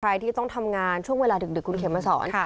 ใครที่ต้องทำงานช่วงเวลาดึกคุณเขียนมาสอน